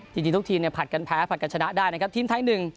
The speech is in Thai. จริงทุกทีมเนี่ยผลัดกันแพ้ผลัดกันชนะได้นะครับทีมไทยหนึ่ง